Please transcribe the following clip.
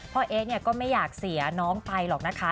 เอ๊ะก็ไม่อยากเสียน้องไปหรอกนะคะ